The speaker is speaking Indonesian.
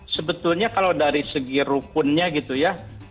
sebetulnya kalau dari segi rukunnya gitu ya